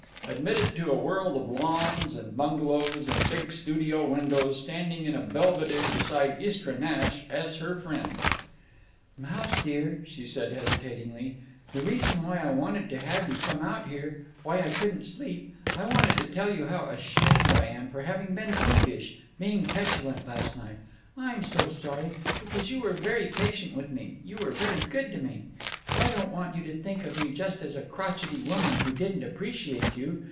Admitted to a world of lawns and bungalows and big studio windows, standing in a belvedere beside Istra Nash as her friend— "Mouse dear," she said, hesitatingly, "the reason why I wanted to have you come out here, why I couldn't sleep, I wanted to tell you how ashamed I am for having been peevish, being petulant, last night. I'm so sorry, because you were very patient with me, you were very good to me. I don't want you to think of me just as a crochety woman who didn't appreciate you.